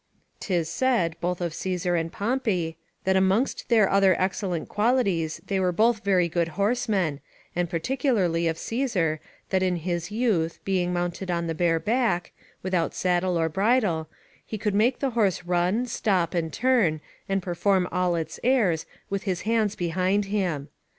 'T is said, both of Caesar and Pompey, that amongst their other excellent qualities they were both very good horsemen, and particularly of Caesar, that in his youth, being mounted on the bare back, without saddle or bridle, he could make the horse run, stop, and turn, and perform all its airs, with his hands behind him.